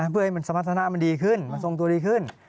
เพื่อให้มันสมรรถนะมันดีขึ้นมันทรงตัวดีขึ้น